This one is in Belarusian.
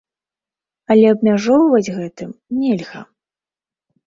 Але абмяжоўваць гэтым нельга.